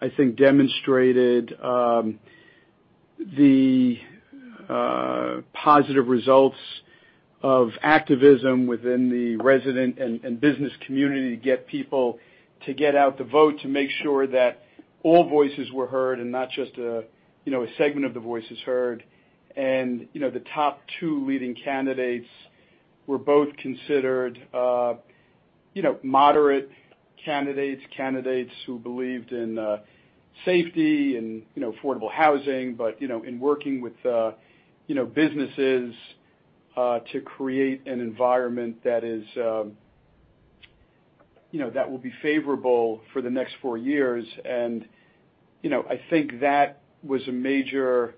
I think demonstrated the positive results of activism within the resident and business community to get people to get out the vote, to make sure that all voices were heard and not just a segment of the voices heard. The top two leading candidates were both considered moderate candidates who believed in safety and affordable housing, but in working with businesses to create an environment that will be favorable for the next four years. I think that was a major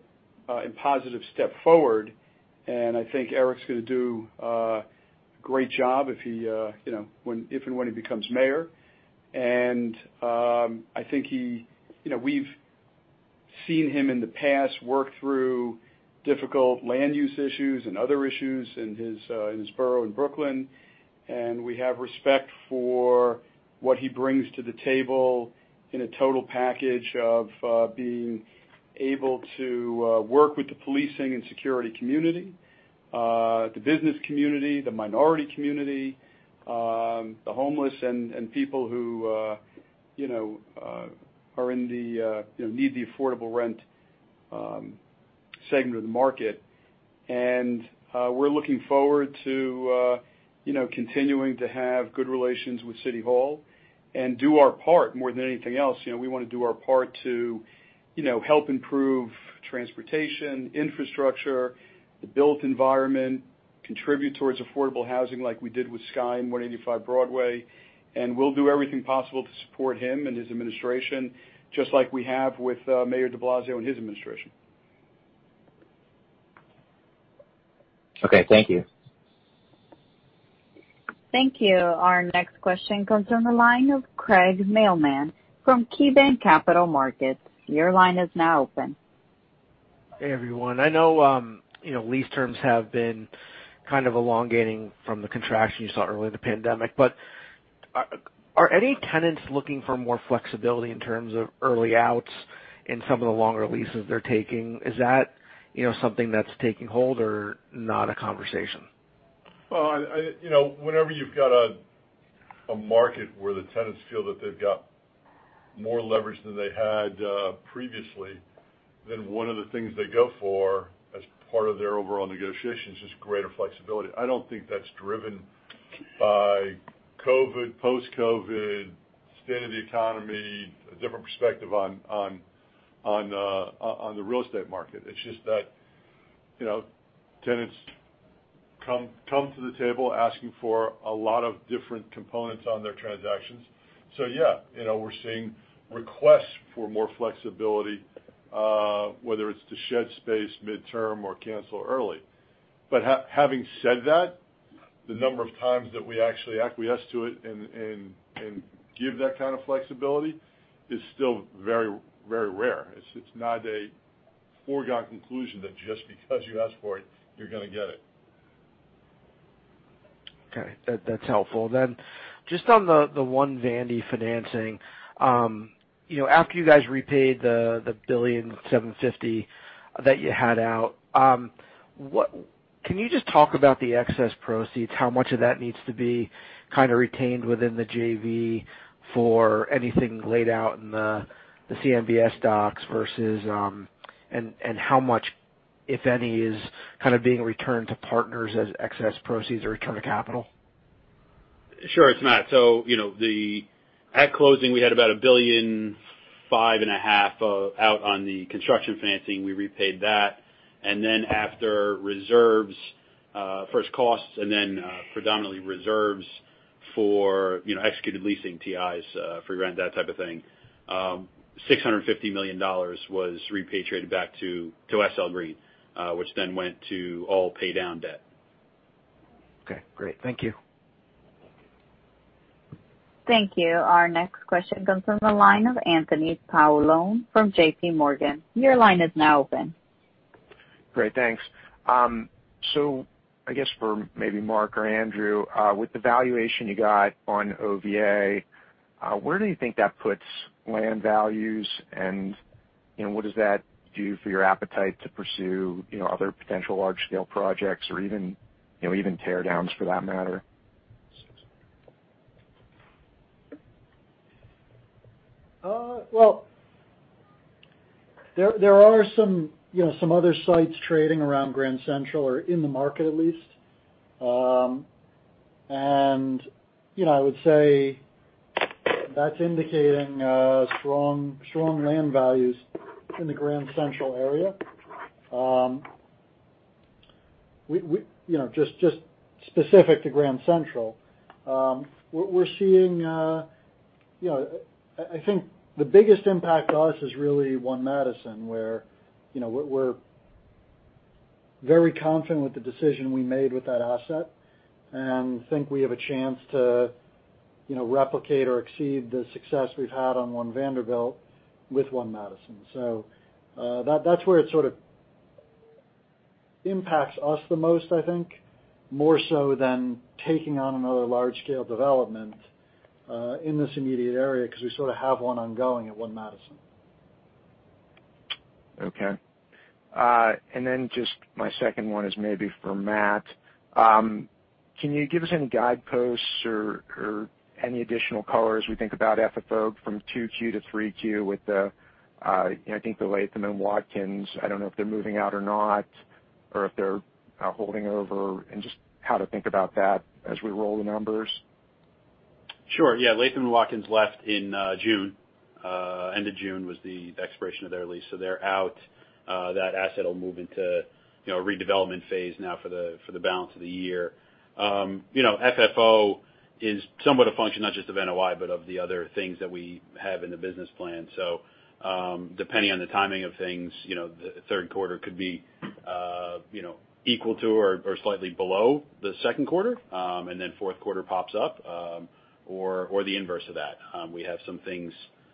and positive step forward. I think Eric's going to do a great job if and when he becomes mayor. We've seen him in the past work through difficult land use issues and other issues in his borough in Brooklyn, and we have respect for what he brings to the table in a total package of being able to work with the policing and security community, the business community, the minority community, the homeless, and people who need the affordable rent segment of the market. We're looking forward to continuing to have good relations with City Hall and do our part more than anything else. We want to do our part to help improve transportation, infrastructure, the built environment, contribute towards affordable housing like we did with Sky and 185 Broadway. We'll do everything possible to support him and his administration, just like we have with Mayor de Blasio and his administration. Okay, thank you. Thank you. Our next question comes from the line of Craig Mailman from KeyBanc Capital Markets. Your line is now open. Hey, everyone. I know lease terms have been elongating from the contraction you saw early in the pandemic. Are any tenants looking for more flexibility in terms of early outs in some of the longer leases they're taking? Is that something that's taking hold or not a conversation? Well, whenever you've got a market where the tenants feel that they've got more leverage than they had previously, one of the things they go for as part of their overall negotiations is greater flexibility. I don't think that's driven by COVID, post-COVID, state of the economy, a different perspective on the real estate market. It's just that tenants come to the table asking for a lot of different components on their transactions. Yeah, we're seeing requests for more flexibility, whether it's to shed space midterm or cancel early. Having said that, the number of times that we actually acquiesce to it and give that kind of flexibility is still very rare. It's not a foregone conclusion that just because you ask for it, you're going to get it. Okay. That's helpful. Just on the One Vandy financing. After you guys repaid the $1.75 billion that you had out, can you just talk about the excess proceeds, how much of that needs to be retained within the JV for anything laid out in the CMBS docs and how much, if any, is being returned to partners as excess proceeds or return of capital? Sure. It's not. At closing, we had about $1.5 billion out on the construction financing. We repaid that. After reserves, first costs, and then predominantly reserves for executed leasing TIs, free rent, that type of thing, $650 million was repatriated back to SL Green, which then went to all pay down debt. Okay, great. Thank you. Thank you. Our next question comes from the line of Anthony Paolone from JPMorgan. Your line is now open. Great, thanks. I guess for maybe Marc or Andrew, with the valuation you got on OVA, where do you think that puts land values, and what does that do for your appetite to pursue other potential large-scale projects or even tear downs for that matter? Well, there are some other sites trading around Grand Central or in the market at least. I would say that's indicating strong land values in the Grand Central area. Just specific to Grand Central, I think the biggest impact to us is really One Madison, where we're very confident with the decision we made with that asset, and think we have a chance to replicate or exceed the success we've had on One Vanderbilt with One Madison. That's where it sort of impacts us the most, I think, more so than taking on another large-scale development in this immediate area because we sort of have one ongoing at One Madison. Okay. Just my second one is maybe for Matt. Can you give us any guideposts or any additional color as we think about FFO from 2Q to 3Q with the, I think the Latham & Watkins, I don't know if they're moving out or not, or if they're holding over, and just how to think about that as we roll the numbers? Sure. Yeah. Latham & Watkins left in June. End of June was the expiration of their lease, so they're out. That asset'll move into a redevelopment phase now for the balance of the year. FFO is somewhat a function not just of NOI, but of the other things that we have in the business plan. Depending on the timing of things, the third quarter could be equal to or slightly below the second quarter, and then fourth quarter pops up, or the inverse of that. We have some things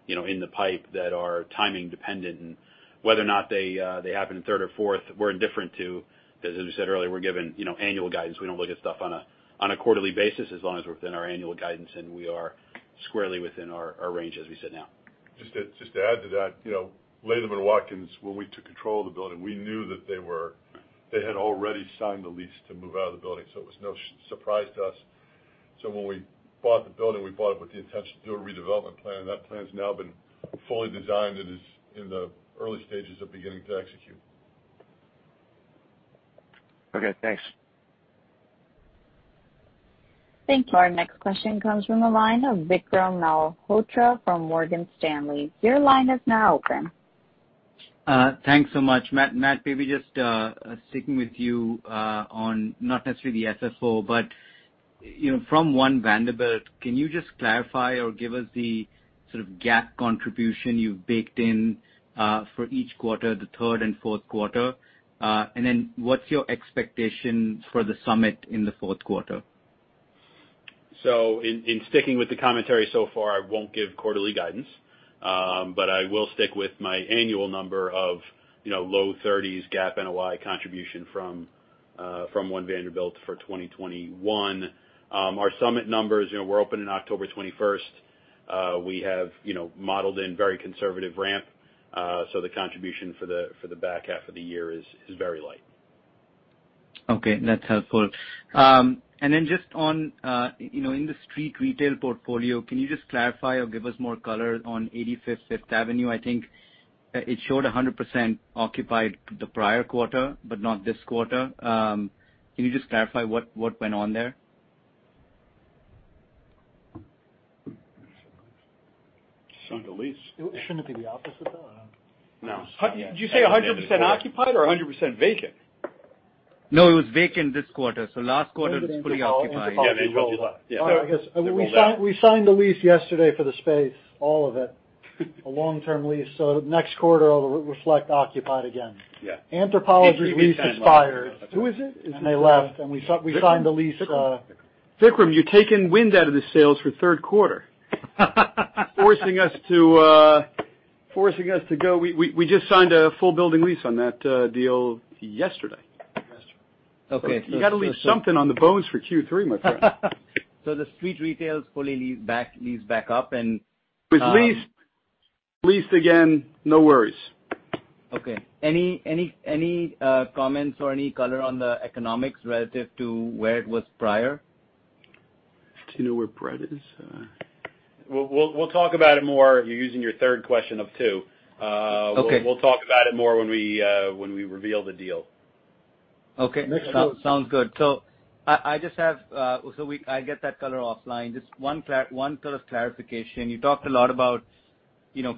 in the pipe that are timing dependent and whether or not they happen in third or fourth, we're indifferent to. As we said earlier, we're giving annual guidance. We don't look at stuff on a quarterly basis, as long as we're within our annual guidance, and we are squarely within our range as we sit now. Just to add to that, Latham & Watkins, when we took control of the building, we knew that they had already signed the lease to move out of the building. It was no surprise to us. When we bought the building, we bought it with the intention to do a redevelopment plan, and that plan's now been fully designed and is in the early stages of beginning to execute. Okay, thanks. Thank you. Our next question comes from the line of Vikram Malhotra from Morgan Stanley. Your line is now open. Thanks so much. Matt, maybe just sticking with you on, not necessarily the FFO, but from One Vanderbilt, can you just clarify or give us the sort of GAAP contribution you've baked in for each quarter, the third and fourth quarter? What's your expectation for The Summit in the fourth quarter? In sticking with the commentary so far, I won't give quarterly guidance. But I will stick with my annual number of low 30s GAAP NOI contribution from One Vanderbilt for 2021. Our Summit numbers, we're opening October 21st. We have modeled in very conservative ramp. The contribution for the back half of the year is very light. Okay, that's helpful. Just on in the street retail portfolio, can you just clarify or give us more color on 85 5th Avenue? I think it showed 100% occupied the prior quarter, but not this quarter. Can you just clarify what went on there? Signed a lease. Shouldn't it be the office with that? I don't know. No. Did you say 100% occupied or 100% vacant? No, it was vacant this quarter, so last quarter it was fully occupied. Anthropologie rolled up. Yeah. We signed the lease yesterday for the space, all of it, a long-term lease. Next quarter it'll reflect occupied again. Yeah. Anthropologie's lease expired. Who is it? They left, and we signed the lease. Vikram. Vikram. Vikram, you've taken wind out of the sails for third quarter. We just signed a full building lease on that deal yesterday. Okay. You got to leave something on the bones for Q3, my friend. The street retail's fully leased back up. It's leased again. No worries. Okay. Any comments or any color on the economics relative to where it was prior? Do you know where Brett is? We'll talk about it more. You're using your third question of two. Okay. We'll talk about it more when we reveal the deal. Okay. Sounds good. I get that color offline. Just one color of clarification. You talked a lot about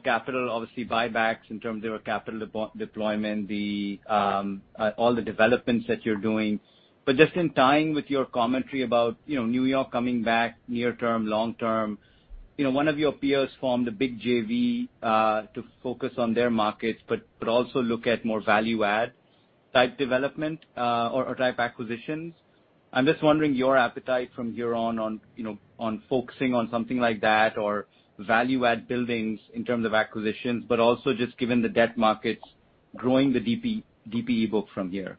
capital, obviously, buybacks in terms of your capital deployment, all the developments that you're doing. Just in tying with your commentary about New York coming back near term, long term, one of your peers formed a big JV to focus on their markets, but also look at more value add type development or type acquisitions. I'm just wondering your appetite from here on focusing on something like that or value add buildings in terms of acquisitions, but also just given the debt markets growing the DPE book from here.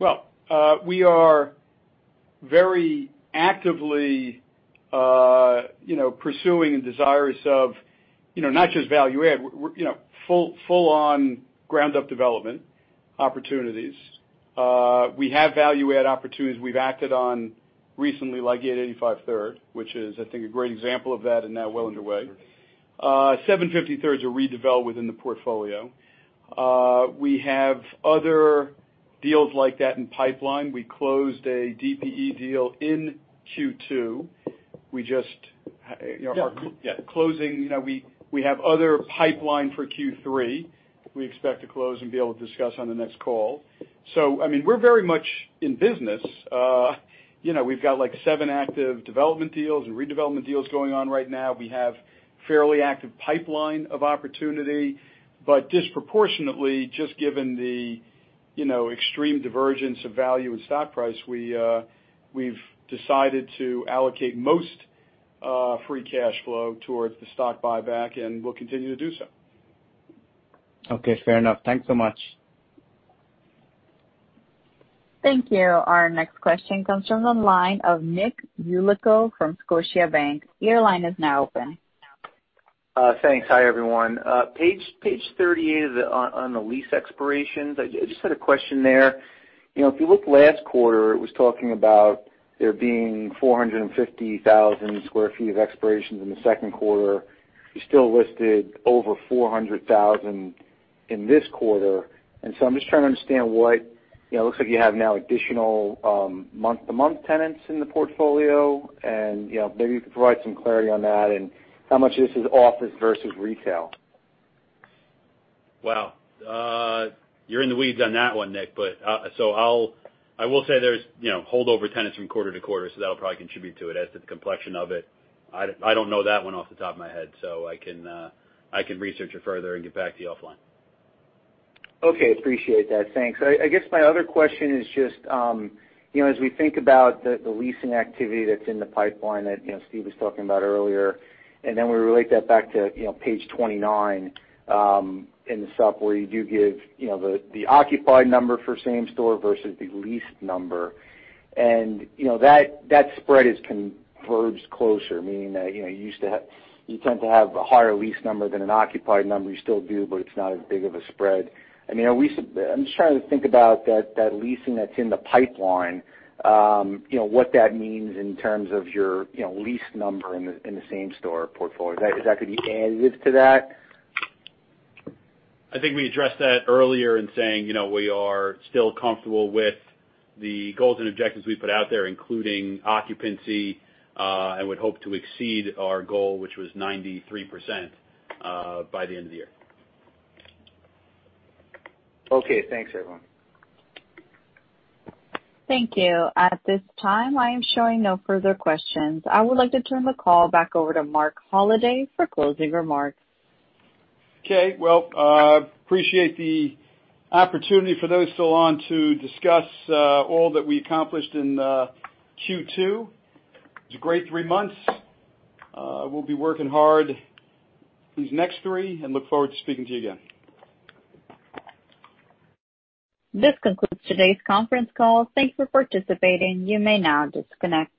Well, we are very actively pursuing and desirous of not just value add, full on ground-up development opportunities. We have value add opportunities we've acted on recently, like 885 3rd, which is I think a great example of that and now well underway. 750 3rd a redevelop within the portfolio. We have other deals like that in pipeline. We closed a DPE deal in Q2. Yeah. -are closing. We have other pipeline for Q3 we expect to close and be able to discuss on the next call. We're very much in business. We've got like seven active development deals and redevelopment deals going on right now. We have fairly active pipeline of opportunity, disproportionately, just given the extreme divergence of value and stock price, we've decided to allocate most free cash flow towards the stock buyback, and we'll continue to do so. Okay, fair enough. Thanks so much. Thank you. Our next question comes from the line of Nick Yulico from Scotiabank. Your line is now open. Thanks. Hi, everyone. Page 38 on the lease expirations, I just had a question there. If you look last quarter, it was talking about there being 450,000 sq ft of expirations in the second quarter. You still listed over 400,000 in this quarter. I'm just trying to understand, it looks like you have now additional month-to-month tenants in the portfolio, and maybe you could provide some clarity on that and how much of this is office versus retail. Wow. You're in the weeds on that one, Nick, but I will say there's holdover tenants from quarter to quarter, so that'll probably contribute to it as to the complexion of it. I don't know that one off the top of my head, so I can research it further and get back to you offline. Okay, appreciate that. Thanks. I guess my other question is just, as we think about the leasing activity that's in the pipeline that Steve was talking about earlier, and then we relate that back to page 29 in the sup where you do give the occupied number for same store versus the leased number. That spread has converged closer, meaning that you used to have a higher leased number than an occupied number. You still do, it's not as big of a spread. I'm just trying to think about that leasing that's in the pipeline, what that means in terms of your leased number in the same store portfolio. Is that going to be additive to that? I think we addressed that earlier in saying we are still comfortable with the goals and objectives we put out there, including occupancy, and would hope to exceed our goal, which was 93%, by the end of the year. Okay, thanks everyone. Thank you. At this time, I am showing no further questions. I would like to turn the call back over to Marc Holliday for closing remarks. Okay. Well, appreciate the opportunity for those still on to discuss all that we accomplished in Q2. It's a great three months. We'll be working hard these next three and look forward to speaking to you again. This concludes today's conference call. Thanks for participating. You may now disconnect.